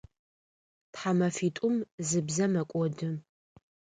Тхьамэфитӏум зы бзэ мэкӏоды.